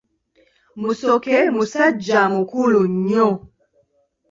Musoke musajja mukulu nnyo.